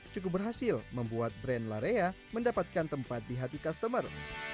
cukup berhasil membuat brand larea mendapatkan tempat di hati customer